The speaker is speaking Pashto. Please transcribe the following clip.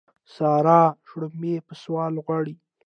سارا شړومبې په سوال غواړي.